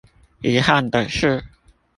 遺憾的是